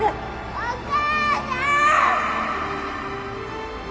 お母さん！